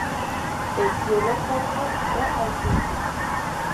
Pecíolo corto o ausente.